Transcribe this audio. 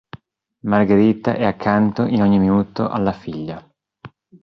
Margherita è accanto in ogni minuto alla figlia.